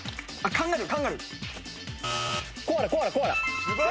カンガルー？